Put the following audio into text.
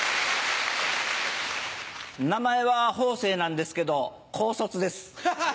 名前は方正なんですけど高卒です。